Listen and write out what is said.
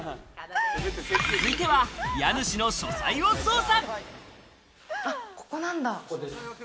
続いては家主の書斎を捜査。